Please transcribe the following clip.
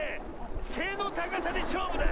せのたかさでしょうぶだ！